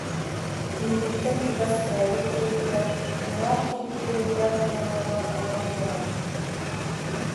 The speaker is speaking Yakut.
Биһигиттэн чугас Лээби кырыытыгар Тунаар Киргиэлэйдээх диэн ыаллар олороллоро